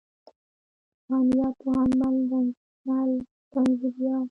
پوهنيار، پوهنمل، رنځورمل، رنځوریار.